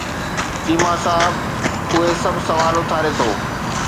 چيما صاحب اهي سڀ سوال اٿاري ٿو.